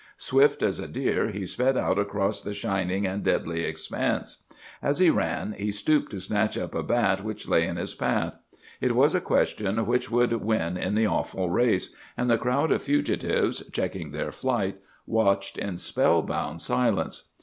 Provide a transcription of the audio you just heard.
Swift as a deer he sped out across the shining and deadly expanse. As he ran, he stooped to snatch up a bat which lay in his path. It was a question which would win in the awful race; and the crowd of fugitives, checking their flight, watched in spellbound silence.